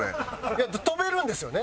いや飛べるんですよね？